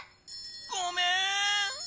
ごめん！